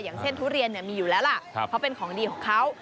อย่างเช่นทุเรียนมีอยู่แล้วล่ะเพราะเป็นของดีของเขา